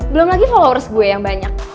belum lagi followers gue yang banyak